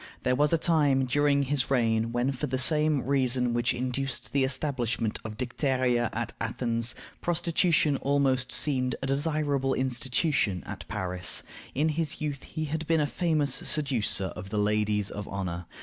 There was a time during his reign when, for the same reason which induced the establishment of Dicteria at Athens, prostitution almost seemed a desirable institution at Paris. In his youth he had been a famous seducer of the ladies of honor.